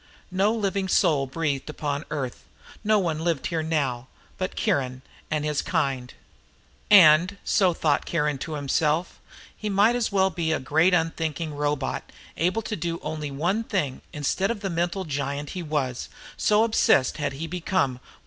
No living soul breathed upon the Earth. No one lived here now, but Kiron and his kind. "And," so thought Kiron to himself, "he might as well be a great unthinking robot able to do only one thing instead of the mental giant he was, so obsessed had he become with the task he had set himself to do."